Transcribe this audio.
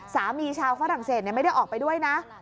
ชาวฝรั่งเศสไม่ได้ออกไปด้วยนะ